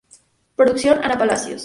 Producción: Ana Palacios.